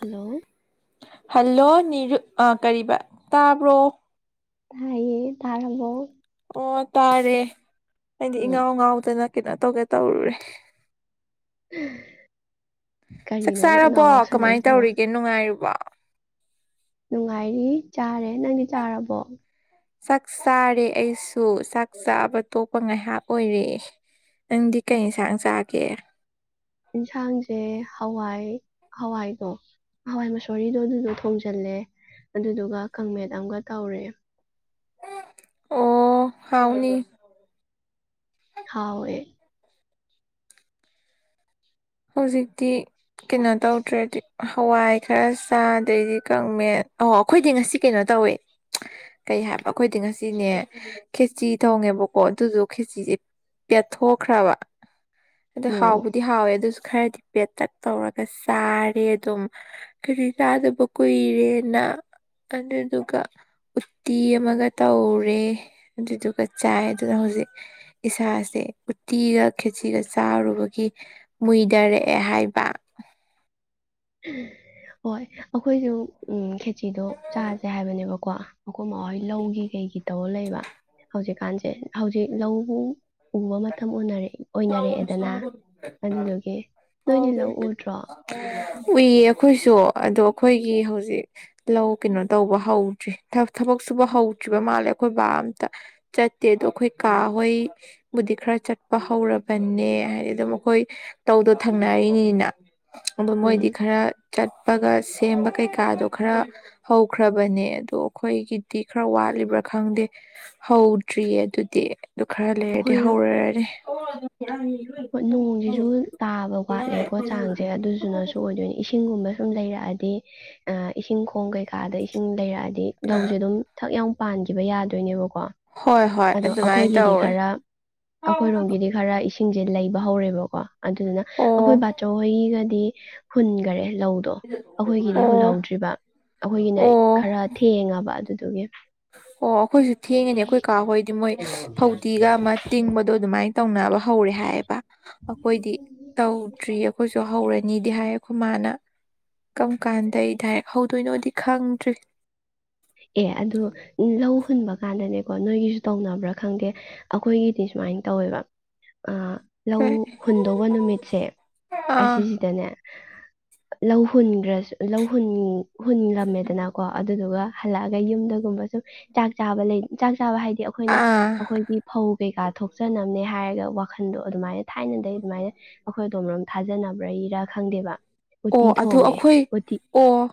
hello hello ꯑ ꯀꯔꯤꯕ ꯇꯥꯕ꯭ꯔꯣ ꯇꯥꯏꯌꯦ ꯊꯔꯕ ꯑꯣ ꯇꯥꯔꯦ ꯍꯥꯏꯗꯤ ꯎꯝ ꯏꯪꯉꯥꯎ ꯉꯥꯎꯗꯅ ꯀꯩꯅ ꯇꯧꯒꯦ ꯇꯧꯔꯨꯔꯦ ꯆꯥꯛ ꯀꯔꯤꯅꯣꯅꯦ ꯆꯥꯔꯕꯣ ꯏꯉꯥꯎ ꯀꯃꯥꯏꯅ ꯉꯥꯎꯁꯜꯂꯛꯏꯁꯤꯕꯣ ꯇꯧꯔꯤꯒꯦ ꯅꯨꯡꯉꯥꯏꯨꯔꯤꯕꯣ ꯅꯨꯡꯉꯥꯏꯔꯤ ꯆꯥꯔꯦ ꯅꯪꯗꯤ ꯆꯥꯔꯕꯣ ꯆꯥꯛ ꯆꯥꯔꯦ ꯑꯩꯁꯨ ꯆꯥꯛ ꯆꯥꯕ ꯇꯣꯛꯄ ꯉꯥꯏꯍꯥꯛ ꯑꯣꯏꯔꯦ ꯅꯪꯗꯤ ꯀꯩ ꯌꯦꯟꯁꯥꯡ ꯆꯥꯒꯦ ꯌꯦꯟꯁꯥꯡꯁꯦ ꯍꯋꯥꯏ ꯍꯋꯥꯏꯗꯣ ꯍꯋꯥꯏ ꯃꯁꯣꯔꯤꯗꯣ ꯑꯗꯨꯗꯣ ꯊꯣꯡꯖꯤꯜꯂꯦ ꯑꯗꯨꯗꯨꯒ ꯈꯥꯃꯦꯟ ꯑꯃꯒ ꯇꯧꯔꯦ ꯑꯣ ꯍꯥꯎꯥꯎꯅꯤ ꯈꯥꯎꯋꯦ ꯍꯧꯖꯤꯛꯇꯤ ꯀꯩꯅꯣ ꯇꯧꯗ꯭ꯔꯦꯗꯤ ꯍꯋꯥꯏ ꯈꯔ ꯆꯥꯗꯩꯗꯤ ꯀꯛꯃꯦꯟ ꯑꯍ ꯑꯩꯈꯣꯏꯗꯤ ꯉꯁꯤ ꯀꯩꯅꯣ ꯇꯧꯏꯦ ꯀꯩ ꯍꯥꯏꯕ ꯑꯩꯈꯣꯏꯗꯤ ꯉꯁꯤꯅꯦ ꯈꯦꯆꯤ ꯊꯣꯡꯉꯦꯕꯀꯣ ꯑꯗꯨꯁꯨ ꯈꯦꯆꯁꯤꯦ ꯄꯦꯠꯊꯣꯛꯈ꯭ꯔꯕ ꯑꯗ ꯑꯣ ꯍꯥꯎꯕꯨꯗꯤ ꯍꯥꯎꯑꯣ ꯑꯗꯨ ꯈꯔꯗꯤ ꯄꯦꯇꯛ ꯇꯧꯔꯒ ꯆꯥꯔꯦ ꯑꯗꯨꯝ ꯈꯦꯖꯤ ꯆꯥꯗꯕ ꯀꯨꯏꯔꯦꯅ ꯑꯗꯨꯗꯨꯒ ꯎꯠꯇꯤ ꯑꯃꯒ ꯇꯧꯔꯦ ꯑꯗꯨꯗꯨꯒ ꯆꯥꯏ ꯑꯗꯨꯅ ꯍꯧꯖꯤꯛ ꯏꯁꯥꯁꯦ ꯎꯠꯇꯤꯒ ꯈꯦꯖꯤꯒ ꯆꯥꯔꯨꯕꯒꯤ ꯃꯨꯏꯗꯔꯛꯑꯦ ꯍꯥꯏꯕ ꯍꯣꯏ ꯑꯩꯈꯣꯏꯁꯨ ꯎꯝꯦ ꯁꯤꯤꯗꯣ ꯆꯥꯥꯁꯦ ꯍꯥꯏꯕꯅꯦꯕꯀꯣ ꯑꯩꯈꯣꯏ ꯍꯣꯏ ꯂꯧꯒꯤ ꯀꯩꯒꯤ ꯇꯧꯕꯔ ꯂꯩꯕ ꯍꯧꯖꯤꯛ ꯀꯥꯟꯁꯦ ꯍꯧꯖꯤꯛ ꯂꯧ ꯎꯕ ꯃꯇꯝ ꯑꯣꯏꯅꯔꯛꯑꯦꯗꯅ ꯑꯗꯨꯗꯨꯒꯤ ꯅꯣꯏꯗꯤ ꯂꯧ ꯎꯗ꯭ꯔꯣ ꯎꯏꯌꯦ ꯑꯩꯈꯣꯏꯁꯨ ꯑꯗꯣ ꯑꯩꯈꯣꯏꯒꯤ ꯍꯧꯖꯤꯛ ꯂꯧ ꯀꯩꯅꯣ ꯇꯧꯕ ꯍꯧꯗ꯭ꯔꯤ ꯊꯕꯛ ꯁꯨꯕ ꯍꯧꯗ꯭ꯔꯤꯕ ꯃꯥꯜꯂꯦ ꯑꯩꯈꯣꯏ ꯕꯥ ꯑꯝꯇ ꯆꯠꯇꯦ ꯑꯗꯣ ꯑꯩꯈꯣꯏ ꯀꯥ ꯍꯣꯏ ꯕꯨꯗꯤ ꯈꯔ ꯆꯠꯄ ꯍꯧꯔꯕꯅꯦ ꯍꯥꯏꯗꯤ ꯑꯗꯨꯝ ꯃꯈꯣꯏ ꯇꯧꯗꯣ ꯊꯪꯅꯔꯤꯅꯤꯅ ꯑꯣ ꯃꯣꯏꯗꯤ ꯎꯝ ꯈꯔ ꯆꯠꯄꯒ ꯁꯦꯝꯕ ꯀꯩꯀꯥꯗꯣ ꯈꯔ ꯍꯧꯈ꯭ꯔꯕꯅꯦ ꯑꯗꯣ ꯑꯩꯈꯣꯏꯒꯤꯗꯤ ꯈꯔ ꯋꯥꯠꯂꯤꯕ꯭ꯔꯥ ꯈꯪꯗꯦ ꯍꯧꯗ꯭ꯔꯤꯌꯦ ꯑꯗꯨꯗꯤ ꯑꯗꯨ ꯈꯔ ꯂꯩ ꯇꯗꯤ ꯍꯧꯔꯗꯤ ꯍ ꯅꯣꯡꯁꯤꯁꯨ ꯇꯥꯕ ꯋꯥꯠꯂꯦꯀꯣ ꯆꯥꯡꯁꯦ ꯑꯗꯨꯗꯨꯅꯁꯨ ꯑꯣꯏꯗꯣꯏꯅꯦ ꯏꯁꯤꯡꯒꯨꯝꯕ ꯁꯨꯝ ꯂꯩꯔꯛꯑꯗꯤ ꯑ ꯏꯁꯤꯡ ꯈꯣꯡ ꯀꯩꯀꯥꯗ ꯏꯁꯤꯡ ꯂꯩꯔꯛꯑꯗꯤ ꯍꯥꯏꯗꯤ ꯂꯧꯁꯦ ꯑꯗꯨꯝ ꯊꯛ ꯌꯥꯝ ꯄꯥꯟꯈꯤꯕ ꯌꯥꯗꯣꯏꯅꯦꯕꯀꯣ ꯍꯣꯏ ꯍꯣꯏ ꯑꯗꯣ ꯑꯗꯨꯃꯥꯏꯅ ꯑꯩꯈꯣꯏꯒꯤꯗꯤ ꯇꯧꯋꯦ ꯈꯔ ꯑꯩꯈꯣꯏꯔꯣꯝꯒꯤꯗꯤ ꯈꯔ ꯏꯁꯤꯡ ꯁꯤꯡꯁꯦ ꯂꯩꯕ ꯍꯧꯔꯦꯕꯀꯣ ꯑꯗꯨꯗꯨꯅ ꯑꯩꯈꯣꯏ ꯑꯣ ꯕꯥꯆꯧꯍꯣꯏꯒꯗꯤ ꯍꯨꯟꯈꯔꯦ ꯂꯧꯗꯣ ꯑꯩꯈꯣꯏꯒꯤꯗꯤ ꯑꯣ ꯍꯨꯜꯍꯧꯗ꯭ꯔꯤꯕ ꯑꯩꯈꯣꯏꯒꯤꯅ ꯑꯣ ꯈꯔ ꯊꯦꯡꯉꯕ ꯑꯗꯨ ꯑꯗꯨꯒꯤ ꯑꯣ ꯑꯩꯈꯣꯏꯁꯨ ꯊꯦꯡꯉꯅꯤ ꯑꯩꯈꯣꯏ ꯍꯣꯏꯗꯤ ꯃꯣꯏ ꯐꯧꯗꯤꯤꯒ ꯑꯃ ꯇꯤꯡꯕꯗꯣ ꯑꯗꯨꯃꯥꯏꯅ ꯇꯧꯅꯕ ꯍꯧꯔꯦ ꯍꯥꯏꯌꯦꯕ ꯑꯩꯈꯣꯏꯗꯤ ꯇꯧꯗ꯭ꯔꯤ ꯑꯩꯈꯣꯏꯁꯨ ꯍꯧꯔꯅꯤꯗꯤ ꯍꯥꯏꯌꯦ ꯈꯨ ꯃꯥꯥꯅ ꯀꯔꯝ ꯀꯥꯟꯗꯩ ꯑꯩ ꯗꯥꯏꯔꯦꯛ ꯍꯧꯗꯣꯏꯅꯣꯗꯤ ꯈꯪꯗ꯭ꯔꯤ ꯑꯦ ꯑꯗꯣ ꯂꯧ ꯍꯨꯟꯕ ꯀꯥꯟꯗꯅꯦꯀꯣ ꯅꯣꯏꯒꯤꯁꯨ ꯇꯧꯅꯕ꯭ꯔꯥ ꯈꯪꯗꯦ ꯑꯈꯣꯏꯒꯤꯗꯤ ꯁꯨꯃꯥꯏꯅ ꯇꯧꯋꯦꯕ ꯑ ꯂꯧ ꯀꯩ ꯍꯨꯟꯗꯧꯕ ꯅꯨꯃꯤꯠꯁꯦ ꯑꯥ ꯑꯁꯤꯁꯤꯗꯅꯦ ꯂꯧ ꯍꯨꯟꯒ꯭ꯔ ꯂꯧ ꯍꯨꯟ ꯍꯨꯟꯂꯝꯃꯦꯗꯅꯥ ꯀꯣ ꯑꯗꯨꯗꯨꯒ ꯍꯜꯂꯛꯑꯒ ꯌꯨꯝꯗꯒꯨꯝꯕ ꯁꯨꯝ ꯆꯥꯛ ꯆꯥꯕ ꯂꯩ ꯆꯥꯛ ꯆꯥꯕ ꯍꯥꯏ ꯗꯤ ꯑꯈꯣꯏꯅ ꯑꯥ ꯑꯈꯣꯏꯒꯤ ꯐꯧ ꯀꯩ ꯀꯥ ꯊꯣꯛꯆꯅꯕꯅꯦ ꯍꯥꯏꯔꯒ ꯋꯥꯈꯟꯗꯣ ꯑꯗꯨꯃꯥꯏꯅ ꯊꯥꯏꯅꯗꯩ ꯑꯗꯨꯃꯥꯏꯅ ꯑꯈꯣꯏ ꯑꯗꯣꯝꯔꯣꯝ ꯊꯥꯖꯅꯕ꯭ꯔꯩ ꯔꯥ ꯈꯪꯗꯦꯕ ꯎꯇꯤ ꯑꯣ ꯑꯗꯨ ꯊꯣꯡꯉꯦ ꯑꯈꯣꯏ ꯎꯇꯤ ꯑꯣ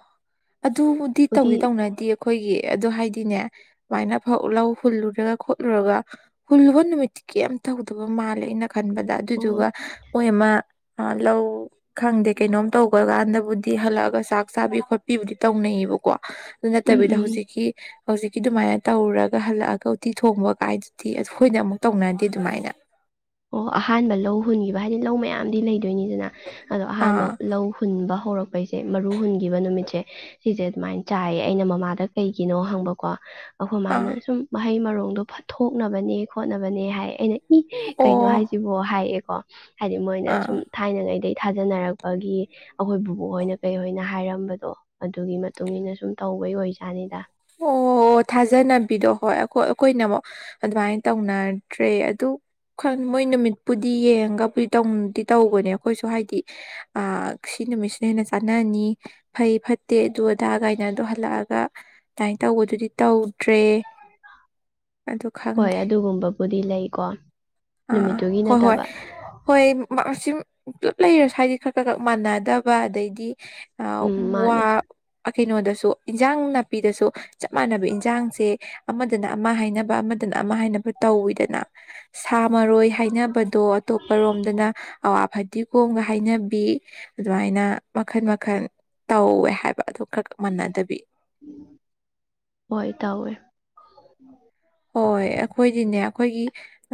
ꯑꯗꯨꯕꯨꯗꯤ ꯎꯇꯤ ꯇꯧꯗꯤ ꯇꯧꯅꯗꯤꯌꯦ ꯑꯩꯈꯣꯏꯒꯤ ꯑꯗꯨ ꯍꯥꯏꯗꯤꯅꯦ ꯑꯗꯨꯃꯥꯏꯅ ꯐꯧ ꯂꯧ ꯍꯨꯜꯂꯨꯔꯒ ꯈꯣꯠꯂꯨꯔꯒ ꯍꯨꯜꯂꯨꯕ ꯅꯨꯃꯤꯠꯇꯤ ꯀꯦꯏꯝ ꯇꯧꯗꯕ ꯃꯥꯜꯂꯦ ꯑꯩꯅ ꯈꯟꯕꯗ ꯑꯣ ꯑꯗꯨꯗꯨꯒ ꯃꯣꯏ ꯑꯃ ꯑꯥ ꯂꯧ ꯈꯪꯗꯦ ꯀꯩꯅꯣꯝ ꯇꯧꯕ ꯀꯥꯟꯗꯕꯨꯗꯤ ꯍꯜꯂꯛꯑꯒ ꯆꯥꯛ ꯆꯥꯕꯤ ꯈꯣꯠꯄꯤꯕꯨꯗꯤ ꯇꯧꯅꯩꯌꯦꯕꯀꯣ ꯑꯗꯨ ꯎꯝ ꯅꯠꯇꯕꯤꯗ ꯎꯝ ꯍꯧꯖꯤꯛꯀꯤ ꯍꯧꯖꯤꯛꯀꯤ ꯑꯗꯨꯃꯥꯏꯅ ꯇꯧꯔꯒ ꯍꯜꯂꯛꯑꯒ ꯎꯇꯤ ꯊꯣꯡꯕ ꯀꯥꯏꯗꯨꯗꯤ ꯑꯩꯈꯣꯏꯗ ꯑꯃꯨꯛ ꯇꯧꯅꯗꯦ ꯑꯗꯨꯃꯥꯏꯅ ꯑꯣ ꯑꯍꯥꯟꯕ ꯂꯧ ꯍꯨꯟꯒꯤꯕ ꯍꯥꯏꯗꯤ ꯂꯧ ꯃꯌꯥꯝꯗꯤ ꯂꯩ ꯗꯣꯏꯅꯤꯅ ꯑꯗꯣ ꯑꯍꯥꯟꯕ ꯑꯥ ꯂꯧ ꯍꯨꯟꯕ ꯍꯧꯔꯛ ꯄꯩꯖꯦ ꯃꯔꯨ ꯍꯨꯟꯒꯤꯕ ꯅꯨꯃꯤꯠꯁꯦ ꯁꯤꯖꯦ ꯑꯗꯨꯃꯥꯏ ꯆꯥꯏꯌꯦ ꯑꯩꯅ ꯃꯃꯥꯗ ꯀꯩꯒꯤꯅꯣ ꯍꯪꯕ ꯀꯣ ꯑꯥ ꯑꯈꯣꯃꯥꯅ ꯁꯨꯝ ꯃ ꯍꯩ ꯃꯔꯣꯡꯗꯣ ꯐꯠ ꯇꯣꯛꯅꯕꯅꯦ ꯈꯣꯠꯅꯕꯅꯦ ꯍꯥꯏ ꯑꯩꯅ [unintelligible] ꯀꯩꯅꯣ ꯑꯣ ꯍꯥꯏꯖꯤꯕꯣ ꯍꯥꯏꯌꯦ ꯀꯣ ꯍꯥꯏꯗꯤ ꯃꯣꯏꯅ ꯑꯥ ꯁꯨꯝ ꯊꯥꯏꯅꯉꯩꯗꯩ ꯊꯥꯖꯅꯔꯛꯄꯒꯤ ꯑꯈꯣꯏ ꯕꯨꯕꯣꯛ ꯍꯣꯏꯅ ꯀꯩꯍꯣꯏꯅ ꯍꯥꯏꯔꯝꯕꯗꯣ ꯑꯗꯨꯒꯤ ꯃꯇꯨꯡ ꯏꯟꯅ ꯁꯨꯝ ꯇꯧꯕꯒꯤ ꯑꯣꯏꯖꯥꯠꯅꯤꯗ ꯑꯣ ꯊꯥꯖꯅꯕꯤꯗꯣ ꯍꯣꯏ ꯑꯈꯣꯏ ꯑꯈꯣꯏꯅ ꯑꯃꯨꯛ ꯑꯗꯨꯃꯥꯏꯅ ꯇꯧꯅꯗ꯭ꯔꯦ ꯑꯗꯨ ꯈꯪ ꯃꯣꯏ ꯅꯨꯃꯤꯠꯄꯨꯗꯤ ꯌꯦꯡꯉꯒꯕꯨꯗꯤ ꯇꯧꯗꯤ ꯇꯧꯕꯅꯦ ꯑꯩꯈꯣꯏꯁꯨ ꯍꯥꯏꯗꯤ ꯑꯥ ꯁꯤ ꯅꯨꯃꯤꯠꯁꯤꯅ ꯍꯦꯟꯅ ꯆꯥꯟꯅꯅꯤ ꯐꯩ ꯐꯠꯇꯦ ꯑꯗꯨ ꯑꯗꯥ ꯀꯥꯏꯅ ꯑꯗꯨ ꯍꯜꯂꯛꯑꯒ ꯑꯗꯨꯃꯥꯏ ꯇꯧꯕꯗꯨꯗꯤ ꯇꯧꯗ꯭ꯔꯦ ꯑꯗꯨ ꯍꯣꯏ ꯈꯪꯗꯦ ꯑꯗꯨꯒꯨꯝꯕꯕꯨꯗꯤ ꯂꯩꯀꯣ ꯑꯥ ꯑꯥ ꯅꯨꯃꯤꯠꯇꯨꯒꯤ ꯍꯣꯏ ꯍꯣꯏ ꯅꯠꯇꯕ ꯍꯣꯏ ꯃꯥꯔꯁ ꯁꯤꯝ ꯄꯨꯜꯂꯞ ꯂꯩꯔꯁꯨ ꯍꯥꯏꯗꯤ ꯈꯔ ꯈꯔ ꯈꯛ ꯃꯥꯟꯅꯗꯕ ꯑꯗꯩꯗꯤ ꯑ ꯎꯝ ꯋꯥ ꯃꯥꯅꯦ ꯑ ꯀꯩꯅꯣꯗꯁꯨ ꯏꯟꯖꯥꯡ ꯅꯥ ꯅꯄꯤꯗꯁꯨ ꯆꯞ ꯃꯥꯟꯅꯕ ꯏꯟꯖꯥꯡꯁꯦ ꯑꯃꯗꯅ ꯑꯃ ꯍꯥꯏꯅꯕ ꯑꯃꯗꯅ ꯑꯃ ꯍꯥꯏꯅꯕ ꯇꯧꯋꯤꯗꯅ ꯁꯥ ꯃꯔꯣꯏ ꯍꯥꯏꯅꯕꯗꯣ ꯑꯇꯣꯞꯄꯔꯣꯝꯗꯅ ꯑꯋꯥ ꯐꯗꯤꯒꯣꯝꯒ ꯍꯥꯏꯅꯕꯤ ꯑꯗꯨꯃꯥꯏꯅ ꯃꯈꯟ ꯃꯈꯟ ꯇꯧꯋꯦ ꯍꯥꯏꯕ ꯑꯗꯨ ꯈꯛ ꯃꯟꯅꯗꯕꯤ ꯍꯣꯏ ꯇꯋꯦ ꯍꯣꯏ ꯑꯩꯈꯣꯏꯗꯤꯅꯦ ꯑꯩꯈꯣꯏꯒꯤ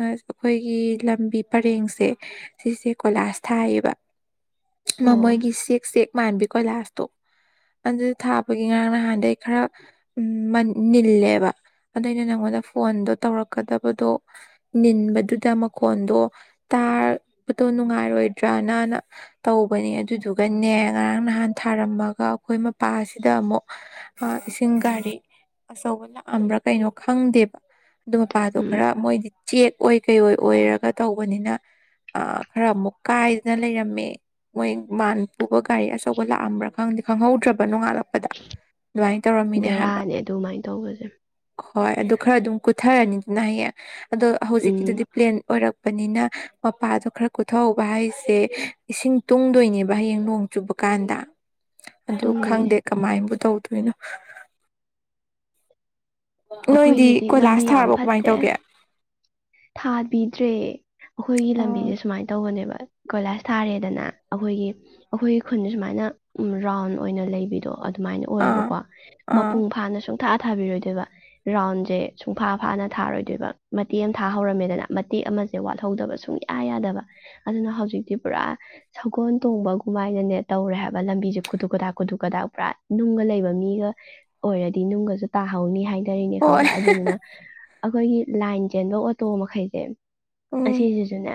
ꯑꯩꯈꯣꯏꯒꯤ ꯂꯝꯕꯤ ꯄꯔꯦꯡꯁꯦ ꯁꯤꯁꯦ ꯀꯣꯏꯂꯥꯁ ꯊꯥꯏꯌꯦꯕ ꯑꯣ ꯅꯃꯣꯏꯒꯤ ꯁꯤꯛꯁ ꯃꯥꯟꯕꯤꯀꯣ ꯂꯥꯁꯇꯣ ꯑꯗꯨꯗ ꯊꯥꯕꯒꯤ ꯉꯔꯥꯡ ꯅꯍꯥꯟꯗꯒꯤ ꯈꯔ ꯅꯤꯜꯂꯦꯕ ꯑꯗ ꯑꯩꯅ ꯅꯪꯉꯣꯟꯗ ꯐꯣꯟꯗꯣ ꯇꯧꯔꯛꯀꯗꯕꯗꯣ ꯅꯤꯟꯕꯗꯨꯗ ꯃꯈꯣꯟꯗꯣ ꯇꯥꯕꯗꯣ ꯅꯨꯡꯉꯥꯏꯔꯣꯏꯗ꯭ꯔꯅꯅ ꯇꯧꯕꯅꯦ ꯑꯗꯨꯗꯨꯒꯅꯦ ꯉꯔꯥꯡ ꯅꯍꯥꯟ ꯊꯥꯔꯝꯃꯒ ꯑꯩꯈꯣꯏ ꯃꯄꯥꯁꯤꯗ ꯑꯃꯨꯛ ꯏꯁꯤꯡ ꯒꯥꯔꯤ ꯑꯆꯧꯕ ꯂꯥꯛꯑꯝꯕ꯭ꯔꯥ ꯀꯩꯅꯣ ꯈꯪꯗꯦꯕ ꯑꯗꯨ ꯃꯄꯥꯗꯣ ꯎꯝ ꯈꯔ ꯃꯣꯏꯗꯤ ꯆꯦꯛ ꯑꯣꯏ ꯀꯩ ꯑꯣꯏ ꯑꯣꯏꯔꯒ ꯇꯧꯕꯅꯤꯅ ꯈꯔꯥ ꯑꯃꯨꯛ ꯀꯥꯏꯗꯅ ꯂꯩꯔꯝꯃꯦ ꯃꯣꯏ ꯃꯥꯟ ꯄꯨꯕ ꯒꯥꯔꯤ ꯑꯆꯧꯕ ꯂꯥꯛꯑꯝꯕ꯭ꯔꯥ ꯈꯪꯗꯤ ꯈꯪꯍꯧꯗ꯭ꯔꯕ ꯅꯣꯉꯛꯀꯞꯗ ꯑꯗꯨꯃꯥꯏꯅꯥ ꯇꯧꯔꯃꯤꯅꯦ ꯕꯦꯔꯥꯅꯦ ꯑꯗꯨꯃꯥꯏꯅ ꯇꯧꯕꯁꯦ ꯍꯣꯌ ꯑꯗꯨꯝ ꯈꯔꯥ ꯑꯗꯨꯝ [unintelligible] ꯑꯗꯣ ꯎꯝ ꯍꯧꯖꯤꯛꯀꯤꯗꯨꯗꯤ ꯄ꯭ꯂꯦꯟ ꯑꯣꯏꯔꯞ ꯂꯄꯅꯤꯅ ꯃꯄꯥꯗꯣ ꯈꯔ ꯀꯣꯊꯣꯛꯍꯧꯕ ꯍꯥꯏꯁꯦ ꯏꯁꯤꯡ ꯇꯨꯡꯗꯣꯏꯅꯦꯕ ꯍꯌꯦꯡ ꯅꯣꯡ ꯆꯨꯕ ꯀꯥꯟꯗ ꯑꯗꯨ ꯇꯨꯡꯗꯣꯏꯅꯦ ꯈꯪꯗꯦ ꯀꯃꯥꯏꯕꯨ ꯇꯧ [unintelligible] ꯅꯣꯏꯗꯤ ꯑꯩꯈꯣꯏꯒꯤꯗꯤ ꯀꯣꯏꯂꯥꯁ ꯂꯝꯕꯤ ꯌꯥꯝ ꯊꯥꯔꯕꯣ ꯀꯃꯥꯏꯅ ꯐꯠꯇꯦ ꯇꯧꯒꯦ ꯊꯥꯕꯤꯗ꯭ꯔꯦ ꯑꯩꯈꯣꯏꯒꯤ ꯂꯝꯕꯤꯁꯦ ꯁꯨꯃꯥꯏꯅ ꯇꯧꯕꯅꯦꯕꯥ ꯀꯣꯏꯂꯥꯁ ꯊꯥꯔꯦꯗꯅ ꯑꯩꯈꯣꯏꯒꯤ ꯑꯩꯈꯣꯏꯒꯤ ꯈꯨꯟꯁꯦ ꯁꯨꯃꯥꯏꯅ ꯔꯥꯎꯟ ꯑꯣꯏꯅ ꯂꯩꯕꯤꯗꯣ ꯑꯗꯨꯃꯥꯏꯅ ꯑꯥ ꯑꯣꯏꯌꯦꯕꯀꯣ ꯑꯥ ꯃꯄꯨꯡ ꯐꯥꯅ ꯁꯨꯝ ꯄꯨꯡꯊꯥ ꯊꯥꯕꯤꯔꯣꯏꯗꯣꯏꯕ ꯔꯥꯎꯟꯁꯦ ꯁꯨꯡꯐꯥ ꯐꯥꯅ ꯊꯥꯔꯣꯏꯗꯣꯏꯕ ꯃꯇ ꯊꯥꯍꯧꯔꯝꯃꯦꯗꯅ ꯃꯇꯦꯛ ꯑꯃꯁꯦ ꯋꯥꯠꯍꯧꯗꯕ ꯁꯨꯡꯌꯥ ꯌꯥꯗꯕ ꯑꯗꯨꯅ ꯍꯧꯖꯤꯛꯇꯤ ꯄꯨꯔꯥ ꯁꯒꯣꯜ ꯇꯣꯡꯕꯒꯨꯝꯃꯥꯏꯅꯅꯦ ꯇꯧꯔꯦ ꯍꯥꯏꯕ ꯂꯝꯕꯤꯁꯦ ꯈꯨꯠ ꯈꯨꯗꯥꯛ ꯈꯨꯠꯨꯀꯗꯥꯛ ꯄꯨꯔꯥ ꯅꯨꯡꯒ ꯂꯩꯕ ꯃꯤꯒ ꯑꯣꯏꯔꯗꯤ ꯅꯨꯡꯒꯁꯨ ꯇꯥꯍꯧꯅꯤ ꯍꯥꯏꯅ ꯀꯅꯦ ꯍꯣꯏ ꯈꯪꯕ꯭ꯔꯥ ꯑꯗꯨꯗꯨꯅꯥ ꯑꯩꯈꯣꯏꯒꯤ ꯕꯂꯥꯏꯟ ꯆꯦꯟꯗꯣꯛ ꯑꯣꯇꯣ ꯃꯈꯩꯁꯦ ꯁꯤ ꯎꯝ ꯌꯣꯖꯅ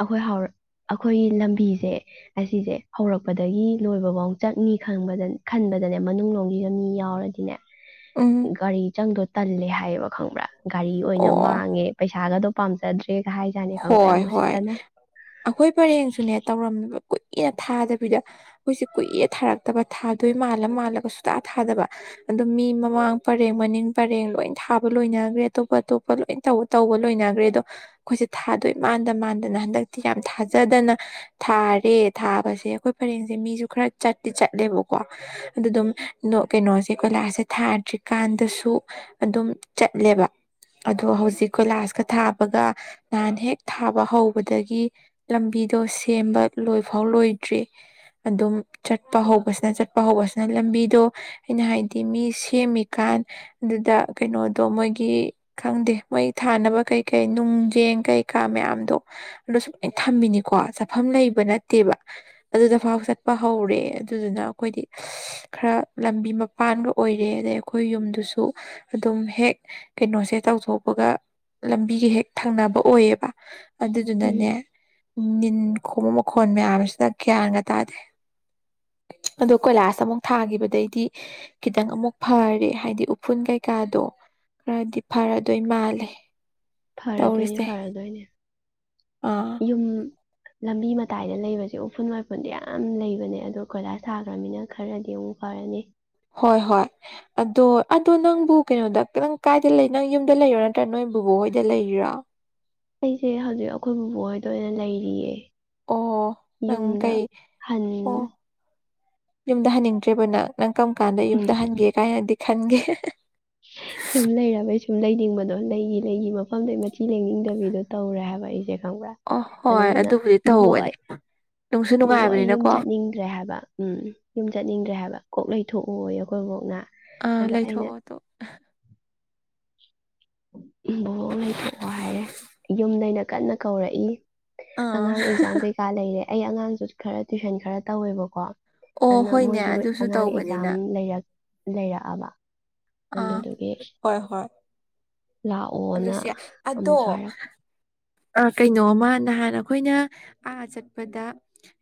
ꯑꯩꯈꯣꯏ ꯍꯧꯛ ꯑꯩꯈꯣꯏꯒꯤ ꯂꯝꯕꯤꯁꯦ ꯑꯁꯤꯁꯦ ꯍꯧꯔꯛꯄꯗꯒꯤ ꯂꯣꯏꯕꯐꯥꯎ ꯆꯠꯅꯤꯕꯗ ꯈꯟꯕꯗꯅꯦ ꯃꯅꯨꯡ ꯂꯣꯝꯒꯤꯒ ꯃꯤ ꯌꯥꯎꯔꯗꯤꯅꯦ ꯎꯝ ꯒꯥꯔꯤ ꯆꯪꯗ ꯇꯜꯂꯦ ꯍꯥꯏꯌꯦꯕ ꯈꯪꯕ꯭ꯔꯥ ꯒꯥꯔꯤ ꯑꯣꯏꯅ ꯃꯥ ꯑꯣ ꯄꯩꯁꯥꯒꯗꯣ ꯄꯥꯝꯖꯗ꯭ꯔꯦ ꯍꯣꯏ ꯍꯣꯏ ꯑꯩꯈꯣꯏ ꯄꯔꯦꯡꯁꯨꯅꯦ ꯇꯧꯔꯝꯃꯦꯕ ꯀꯨꯏꯅ ꯊꯥꯗꯕꯤꯗ ꯑꯩꯈꯣꯏꯁꯦ ꯀꯨꯏꯌꯦ ꯊꯥꯔꯛꯇꯕ ꯊꯥꯗꯣꯏ ꯃꯥꯜꯂ ꯃꯥꯜꯂꯒ ꯁꯨꯇꯥ ꯊꯥꯗꯕ ꯑꯗꯣ ꯃꯤ ꯃꯃꯥꯡ ꯄꯔꯦꯡ ꯃꯅꯤꯡ ꯄꯔꯦꯡ ꯂꯣꯏ ꯊꯥꯕ ꯂꯣꯏꯅꯈ꯭ꯔꯦ ꯑꯇꯣꯞ ꯑꯇꯣꯞꯄ ꯂꯣꯏ ꯇꯧꯕ ꯂꯣꯏꯅꯈ꯭ꯔꯦ ꯑꯗꯣ ꯑꯩꯈꯣꯏꯁꯦ ꯊꯥꯗꯣꯏ ꯃꯥꯟꯗ ꯃꯥꯟꯗꯅ ꯍꯟꯗꯛꯇꯤ ꯌꯥꯝ ꯊꯥꯖꯗꯅ ꯊꯥꯔꯦ ꯊꯥꯕꯁꯦ ꯑꯩꯈꯣꯏ ꯄꯔꯦꯡꯁꯦ ꯃꯤꯁꯨ ꯈꯔ ꯆꯠꯇꯤ ꯆꯠꯂꯦꯕꯀꯣ ꯑꯗꯨ ꯑꯗꯨꯝ ꯀꯩꯅꯣꯁꯦ ꯀꯣꯏꯂꯥꯁꯁꯦ ꯊꯥꯗ꯭ꯔꯤꯀꯥꯟꯗꯁꯨ ꯑꯗꯨꯝ ꯆꯠꯂꯦꯕ ꯑꯗꯣ ꯍꯧꯖꯤꯛ ꯀꯣꯏꯂꯥꯁꯀ ꯊꯥꯕꯒ ꯅꯍꯥꯟ ꯍꯦꯛ ꯊꯥꯕ ꯍꯧꯕꯗꯒꯤ ꯂꯝꯕꯤꯗꯣ ꯁꯦꯝꯕ ꯂꯣꯏꯐꯥꯎ ꯂꯣꯏꯗ꯭ꯔꯤ ꯑꯗꯨꯝ ꯆꯠꯄ ꯍꯧꯕꯁꯤꯅ ꯆꯠꯄ ꯍꯧꯕꯁꯤꯅ ꯂꯝꯕꯤꯗꯣ ꯑꯩꯅ ꯍꯥꯏꯗꯤ ꯃꯤ ꯁꯦꯝꯃꯤꯀꯥꯟ ꯑꯗꯨꯗ ꯀꯩꯅꯣꯗꯣ ꯃꯣꯏꯒꯤ ꯈꯪꯗꯦ ꯃꯣꯏ ꯊꯥꯅꯕ ꯀꯩꯀꯩ ꯅꯨꯡꯖꯡ ꯀꯩꯀꯥ ꯃꯌꯥꯝꯗꯣ ꯑꯗꯣ ꯁꯨ ꯂꯥꯏꯅ ꯊꯝꯃꯤꯅꯤꯀꯣ ꯆꯥꯐꯝ ꯂꯩꯕ ꯅꯠꯇꯦꯕ ꯑꯗꯨꯗ ꯐꯥꯎ ꯆꯠꯄ ꯍꯧꯔꯦ ꯑꯗꯨꯗꯨꯅ ꯑꯩꯈꯣꯏꯗꯤ ꯈꯔ ꯂꯝꯕꯤ ꯃꯄꯥꯟꯒ ꯑꯣꯏꯔꯦ ꯑꯗꯩ ꯑꯩꯈꯣꯏ ꯌꯨꯝꯗꯨꯁꯨ ꯑꯗꯨꯝ ꯍꯦꯛ ꯀꯩꯅꯣꯁꯦ ꯇꯧꯊꯣꯛꯄꯒ ꯂꯝꯕꯤꯒ ꯍꯦꯛ ꯊꯪꯅꯕ ꯑꯣꯏꯌꯦꯕ ꯑꯗꯨꯗꯨꯅꯅꯦ ꯎꯝ ꯅꯤꯟ ꯈꯣꯡꯕ ꯃꯈꯣꯟꯜ ꯃꯌꯥꯝꯁꯤꯗ ꯒ꯭ꯌꯥꯟꯒ ꯇꯥꯗꯦ ꯑꯗꯣ ꯀꯣꯏꯂꯥꯁ ꯑꯃꯨꯛ ꯊꯥꯒꯤꯈꯤꯕꯗꯩꯗꯤ ꯈꯤꯇꯪ ꯑꯃꯨꯛ ꯐꯔꯦ ꯍꯥꯏꯗꯤ ꯎꯐꯨꯟ ꯀꯩꯀꯥꯗꯣ ꯈꯔꯗꯤ ꯐꯔꯗꯣꯏ ꯃꯥꯜꯂꯦ ꯐꯔꯗꯣꯏꯅꯦ ꯇꯧꯔꯤꯁꯦ ꯐꯔꯗꯣꯏꯅꯦ ꯑꯥ ꯌꯨꯝ ꯂꯝꯕꯤ ꯃꯇꯥꯏꯗ ꯂꯩꯕꯁꯦ ꯎꯐꯨꯜ ꯋꯥꯏꯐꯨꯜꯗ ꯌꯥꯝ ꯂꯩꯕꯅꯦ ꯑꯗꯣ ꯀꯣꯏꯂꯥꯁ ꯁꯥꯈ꯭ꯔꯅꯤꯅ ꯈꯔꯗꯤ ꯑꯃꯨꯛ ꯐꯔꯅꯤ ꯍꯣꯏ ꯍꯣꯏ ꯑꯗꯣ ꯑꯗꯣ ꯅꯪꯕꯨ ꯀꯩꯅꯣꯗ ꯈꯤꯇꯪ ꯀꯥꯏꯗ ꯂꯩ ꯅꯪ ꯌꯨꯝꯗ ꯂꯩꯔꯣ ꯅꯠꯇ꯭ꯔꯥ ꯅꯣꯏꯕꯨꯕ ꯍꯣꯏꯗ ꯂꯩꯔꯤꯔꯥ ꯑꯩꯁꯦ ꯍꯧꯖꯤꯛ ꯑꯩꯈꯣꯏ ꯕꯨꯕ ꯍꯣꯏꯗ ꯑꯣꯏꯅ ꯂꯩꯔꯤꯌꯦ ꯑꯣ ꯅꯪ ꯌꯨꯝꯗ ꯀꯩ ꯍꯟ ꯑꯣ ꯌꯨꯝꯗ ꯍꯟꯅꯤꯡꯗ꯭ꯔꯦꯕ ꯅꯪ ꯅꯪ ꯀꯝ ꯀꯥꯟꯗ ꯌꯨꯝꯗ ꯍꯟꯒꯦ ꯀꯥꯏꯅꯗꯤ ꯈꯪꯒꯦ ꯁꯨꯝ ꯂꯩꯔꯕꯩ ꯁꯨꯝ ꯂꯩꯅꯤꯡꯕꯗꯣ ꯂꯩꯒꯤ ꯂꯩꯒꯤ ꯃꯐꯝꯗꯩ ꯃꯆꯤ ꯂꯩꯅꯤꯡꯗꯕꯤꯗꯣ ꯇꯧꯔꯦ ꯍꯥꯏꯕ ꯑꯩꯁꯦ ꯈꯪꯕ꯭ꯔ ꯑ ꯍꯣꯏ ꯑꯗꯨꯗꯨꯅ ꯑꯗꯨꯕꯨꯗꯤ ꯕꯕ ꯇꯧꯕꯅꯦ ꯅꯨꯡꯁꯨ ꯕꯕꯣꯛ ꯌꯨꯝ ꯅꯨꯡꯉꯥꯏꯕꯅꯤꯅꯀꯣ ꯆꯠꯅꯤꯡꯗ꯭ꯔꯦ ꯍꯥꯏꯕ ꯎꯝ ꯌꯨꯝ ꯆꯠꯅꯤꯡꯗ꯭ꯔꯦ ꯍꯥꯏꯕ ꯀꯣꯛꯂꯩ ꯊꯣꯛꯎꯏ ꯑꯩꯈꯣꯏꯕꯧꯅ ꯑꯥ ꯂꯩꯊꯣꯛꯑꯣ ꯇ ꯎ ꯕꯋꯣꯡ ꯂꯩꯊꯣꯛꯑꯣ ꯍꯥꯏꯔꯦ ꯌꯨꯝꯗꯩꯅ ꯀꯟꯅ ꯀꯧꯔꯛꯏ ꯑꯥ ꯑꯉꯥꯡ ꯑꯦꯛꯖꯥꯝ ꯀꯩꯀꯥ ꯂꯩꯔꯦ ꯑꯩ ꯑꯉꯥꯡꯁꯨ ꯈꯔ ꯇꯨꯏꯁꯟ ꯈꯔ ꯇꯧꯋꯦꯕꯀꯣ ꯑꯣ ꯑꯗꯨꯅ ꯍꯣꯏꯅꯦ ꯃꯣꯏꯁꯨ ꯑꯗꯨꯁꯨ ꯑꯉꯥꯡ ꯑꯦꯛꯖꯥꯝ ꯇꯧꯕꯅꯤꯅ ꯂꯩꯔꯛ ꯂꯩꯔꯛꯑꯕ ꯑ ꯑꯗꯨꯗꯨꯒꯤ ꯍꯣꯏ ꯍꯣꯏ ꯂꯥꯛꯑꯣꯅ ꯂꯁꯤꯌꯥ ꯑꯗꯣ ꯑꯃꯨꯛꯁꯨ ꯍꯥꯏꯔꯛ ꯀꯩꯅꯣꯃ ꯅꯍꯥꯟ ꯑꯩꯈꯣꯏꯅ ꯑꯥ ꯆꯠꯄꯗ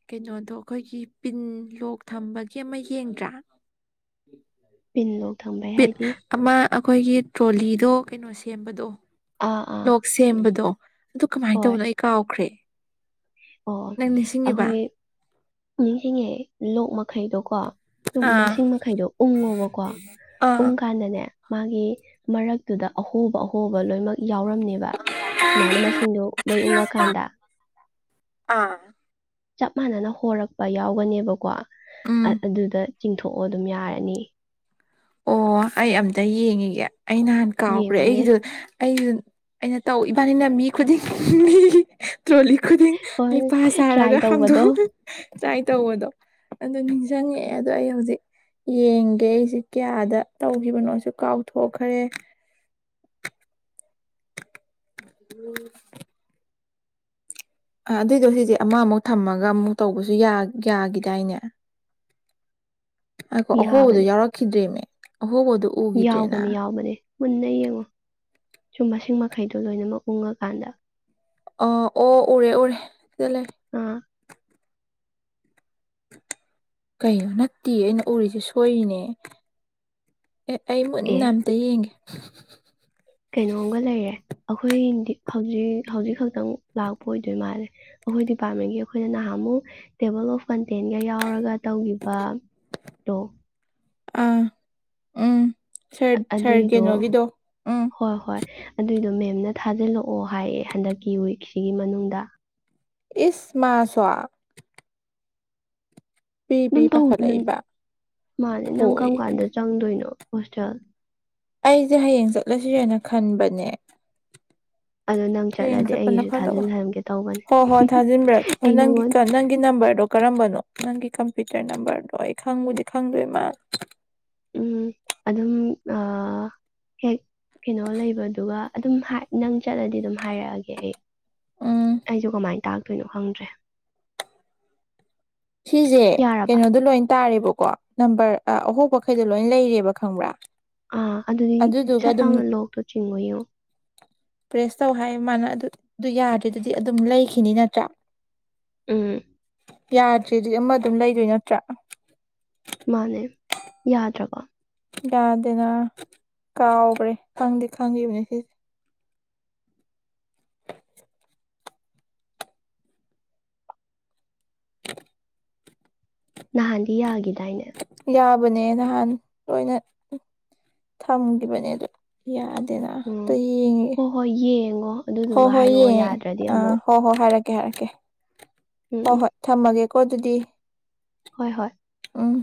ꯀꯩꯅꯣꯗꯣ ꯑꯩꯈꯣꯏꯒꯤ ꯄꯤꯟ ꯂꯣꯛ ꯊꯝꯕꯒꯤ ꯑꯃ ꯌꯦꯡꯗ꯭ꯔꯥ ꯄꯤꯟ ꯂꯣꯛ ꯊꯝꯕꯩ ꯍꯥꯏꯗꯤ ꯑꯃ ꯑꯩꯈꯣꯏꯒꯤ ꯇ꯭ꯔꯣꯂꯤꯗꯣ ꯀꯩꯅꯣ ꯁꯦꯝꯕꯗꯣ ꯑꯥ ꯑꯥ ꯂꯣꯛ ꯁꯦꯝꯕꯗꯣ ꯑꯗꯨ ꯀꯃꯥꯏꯅ ꯍꯣꯏ ꯇꯧꯕꯅꯣ ꯑꯩ ꯀꯥꯎꯈ꯭ꯔꯦ ꯑꯣ ꯅꯪ ꯅꯤꯡꯁꯤꯡꯉꯤꯕ ꯑꯩꯈꯣꯏ ꯅꯤꯡꯁꯤꯡꯉꯦ ꯂꯣꯛ ꯃꯈꯩꯗꯣ ꯀꯣ ꯨꯝ ꯑꯥ ꯃꯁꯤꯡ ꯃꯈꯩꯗꯣ ꯎꯪꯉꯣꯕꯀꯣ ꯎꯪꯀꯥꯟꯗꯅꯦ ꯃꯥꯒꯤ ꯃꯔꯛꯇꯨꯗ ꯑꯍꯣꯕ ꯑꯍꯣꯕ ꯐ ꯂꯣꯏꯅꯃꯛ ꯌꯥꯎꯔꯝꯅꯦꯕ ꯁꯨꯃꯥꯏꯅ ꯃꯁꯤꯡꯗ ꯂꯣꯏ ꯑꯥ ꯎꯪꯉꯀꯥꯟꯗ ꯑꯥ ꯆꯞ ꯃꯥꯟꯅꯅ ꯍꯣꯔꯛꯄ ꯌꯥꯎꯒꯅꯦꯕꯀꯣ ꯎꯝ ꯑꯗꯨꯗ ꯆꯤꯡꯊꯣꯛꯑꯣ ꯑꯗꯨꯝ ꯌꯥꯔꯅꯤ ꯑꯣ ꯑꯩ ꯑꯝꯇ ꯌꯦꯡꯉꯒꯦ ꯑꯩ ꯅꯍꯥꯟ ꯀꯥꯎꯈ꯭ꯔꯦ ꯌꯦꯡꯉꯨꯅꯦ ꯑꯩꯒꯤꯗꯣ ꯑꯩ ꯑꯩꯅ ꯇꯧ ꯏꯕꯥꯅꯤꯅ ꯃꯤ ꯈꯨꯗꯤꯡ ꯃꯤ ꯇ꯭ꯔꯣꯂꯤꯛ ꯈꯨꯗꯤꯡ ꯍꯣꯏ ꯏꯄꯥ ꯇ꯭ꯔꯥꯏ ꯁꯥꯔꯒ ꯇꯧꯕꯗꯣ ꯍꯥꯥꯡꯗꯣꯛꯎ ꯇ꯭ꯔꯥꯏ ꯇꯧꯕꯗꯣ ꯑꯗꯣ ꯅꯤꯡꯁꯤꯡꯉꯛꯑꯦ ꯑꯗꯣ ꯑꯩ ꯍꯧꯖꯤꯛ ꯌꯦꯡꯒꯦ ꯑꯩꯁꯦ ꯀꯌꯥꯗ ꯇꯧꯈꯤꯕꯅꯣꯁꯨ ꯀꯥꯎꯊꯣꯛꯈ꯭ꯔꯦ ꯎ ꯑ ꯑꯗꯨꯑꯣꯏꯗꯣ ꯁꯤꯗꯤ ꯑꯃꯃꯨꯛ ꯊꯝꯃꯒ ꯑꯃꯨꯛ ꯇꯧꯕꯁꯨ ꯌꯥꯒꯤꯗꯥꯏꯅꯦ ꯑꯣ ꯑꯍꯣꯕꯗꯣ ꯌꯥꯕꯅꯦ ꯌꯥꯎꯔꯛꯈꯤꯗ꯭ꯔꯦꯅꯦ ꯌꯥꯎꯕꯅꯦ ꯌꯥꯎꯕꯅꯦ ꯃꯨꯟꯅ ꯌꯦꯡꯉꯣ ꯁꯨꯝꯕ ꯃꯁꯤꯡ ꯃꯈꯩꯗꯣ ꯂꯣꯏꯅꯃꯛ ꯎꯡꯉꯀꯥꯟꯗ ꯑ ꯑꯣ ꯎꯔꯦ ꯎꯔꯦ ꯆꯂꯦ ꯑꯥ ꯀꯩꯅꯩꯅꯣ ꯅꯠꯇꯦ ꯑꯩꯅ ꯎꯔꯤꯁꯦ ꯁꯣꯏꯔꯤꯅꯦ ꯑꯦ ꯑꯩ ꯑꯦ ꯃꯨꯟꯅ ꯑꯝꯇ ꯌꯦꯡꯒꯦ ꯀꯩꯅꯣꯝꯒ ꯂꯩꯔꯦ ꯑꯩꯈꯣꯏ ꯍꯧꯖꯤꯛ ꯍꯧꯖꯤꯛ ꯈꯛꯇꯪ ꯂꯥꯛꯄ ꯑꯣꯏꯗꯣꯏ ꯃꯥꯜꯂꯦ ꯑꯩꯈꯣꯏ ꯗꯤꯄꯥꯔꯠꯃꯦꯟꯒꯤ ꯑꯩꯈꯣꯏꯅ ꯅꯍꯥꯟꯃꯨꯛ ꯇꯦꯕꯜ ꯑꯣꯐ ꯇꯦꯟꯒ ꯌꯥꯎꯔꯒ ꯇꯧꯈꯤꯕ ꯗꯣ ꯑꯥ ꯎꯝ ꯁꯥꯔ ꯁꯥꯔ ꯑꯗꯨꯏꯗꯣ ꯀꯩꯅꯣꯒꯤꯗꯣ ꯎꯝ ꯍꯣꯏ ꯍꯣꯏ ꯑꯗꯨꯏꯗꯣ ꯃꯦꯝ ꯑꯅ ꯊꯥꯖꯤꯜꯂꯛꯑꯣ ꯍꯥꯏꯌꯦ ꯍꯟꯗꯛꯀꯤ ꯋꯤꯛꯁꯤꯒꯤ ꯃꯅꯨꯡꯗ ꯏꯁꯃ ꯆꯣ ꯄ꯭ꯔꯤ ꯑꯗꯨꯝ ꯇꯗꯅ ꯄꯥꯈꯠꯂꯛꯏꯕ ꯃꯥꯅꯦ ꯅꯪ ꯍꯣꯏ ꯀꯔꯝ ꯀꯥꯟꯗ ꯆꯪꯗꯣꯏꯅꯣ ꯄꯆꯦꯜ ꯑꯩꯁꯦ ꯍꯌꯦꯡ ꯆꯠꯂꯁꯤ ꯍꯥꯏꯅ ꯈꯟꯕꯅꯦ ꯑꯗꯣ ꯅꯪ ꯍꯌꯦꯡ ꯆꯠꯂꯗꯤ ꯆꯠꯄꯅ ꯑꯩꯒꯤꯁꯨ ꯐꯗ ꯊꯥꯖꯤꯟꯍꯟꯒꯦ ꯇꯧꯕꯅꯦ ꯍꯣ ꯍꯣꯏ ꯊꯥꯖꯤꯟꯕꯤꯔꯒꯦ ꯑꯩ ꯅꯪꯒꯤ ꯅꯪꯉꯣꯟ ꯅꯪꯒꯤ ꯅꯝꯕꯔꯗꯣ ꯀꯔꯝꯕꯅꯣ ꯅꯪꯒꯤ ꯀꯝꯄ꯭ꯌꯨꯇꯔ ꯅꯝꯕꯔꯗꯣ ꯑꯩ ꯈꯪꯉꯨꯗꯤ ꯈꯪꯗꯣꯏꯃ ꯎꯝ ꯑꯗꯨꯝ ꯍꯦꯛ ꯀꯩꯅꯣ ꯂꯩꯕꯗꯨꯒ ꯑꯗꯨꯝ ꯅꯪ ꯆꯠꯂꯗꯤ ꯑꯗꯨꯝ ꯍꯥꯏꯔꯛꯑꯒꯦ ꯑꯩ ꯎꯝ ꯑꯩꯁꯨ ꯀꯃꯥꯏꯅ ꯇꯥꯛꯇꯣꯏꯅꯣ ꯈꯪꯗ꯭ꯔꯦ ꯁꯤꯁꯦ ꯌꯥꯔꯕ ꯀꯩꯅꯣꯗꯣ ꯂꯣꯏ ꯇꯥꯔꯦꯕꯀꯣ ꯅꯝꯕꯔ ꯑ ꯑꯍꯣꯄꯈꯩꯗ ꯂꯣꯏ ꯂꯩꯔꯦꯕ ꯈꯪꯕ꯭ꯔꯥ ꯑꯥ ꯑꯗꯨꯗꯤ ꯑꯗꯨꯗꯨꯒ ꯁꯠ ꯑꯗꯨꯝ ꯂꯥꯎꯅ ꯂꯣꯛꯇꯣ ꯆꯤꯡꯕꯌꯨ ꯄ꯭ꯔꯦꯁ ꯇꯧ ꯍꯥꯏ ꯃꯥꯅ ꯑꯗꯨ ꯑꯗꯨ ꯌꯥꯗ꯭ꯔꯦ ꯑꯗꯨꯗꯤ ꯑꯗꯨꯝ ꯂꯩꯈꯤꯅꯤ ꯅꯠꯇ꯭ꯔꯥ ꯎꯝ ꯌꯥꯗ ꯁꯤꯗꯤ ꯑꯃ ꯑꯗꯨꯝ ꯂꯩꯗꯣꯏ ꯅꯠꯇ꯭ꯔꯥ ꯃꯥꯅꯦ ꯌꯥꯗ꯭ꯔꯕꯣ ꯌꯥꯗꯦꯅ ꯀꯥꯎꯈ꯭ꯔꯦ ꯈꯪꯗꯦ ꯈꯪꯉꯕꯅꯤ ꯁꯤꯁꯦ ꯅꯜꯂꯤ ꯍꯥꯏꯒꯦ ꯇꯥꯏꯅꯦ ꯇꯧꯕꯅꯦ ꯅꯍꯥꯟ ꯂꯣꯏꯅ ꯊꯝꯈꯤꯕꯅꯦ ꯑꯗꯨ ꯌꯥꯅꯤ ꯅ ꯎꯝ ꯇ ꯌꯦꯡꯉꯦ ꯍꯣꯏ ꯍꯣꯏ ꯌꯦꯡꯉꯣ ꯍꯣꯏ ꯑꯗꯨꯗꯨꯒ ꯍꯣꯏ ꯍꯥꯏꯔꯛꯑꯣ ꯌꯦꯡꯉꯦ ꯌꯥꯗ꯭ꯔꯗꯤ ꯑꯥ ꯑꯃꯨꯛ ꯍꯣꯏ ꯍꯣꯏ ꯍꯥꯏꯔꯛꯀꯦ ꯍꯥꯏꯔꯛꯀꯦ ꯎꯝ ꯍꯣꯏ ꯎꯝ ꯍꯣꯏ ꯊꯝꯃꯒꯦ ꯀꯗꯗꯤ ꯍꯣꯏ ꯍꯣꯏ ꯑꯣꯝ